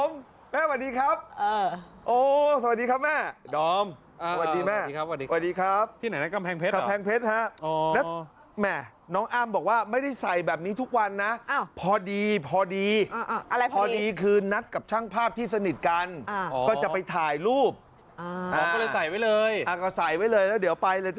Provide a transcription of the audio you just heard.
แม่ครับครับผมแม่สวัสดีครับสวัสดีครับแม่โอ้โฮสวัสดีครับแม่